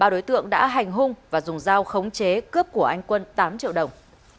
ba đối tượng đã hành hung và dùng dao khống chế cướp của anh quân tám triệu đồng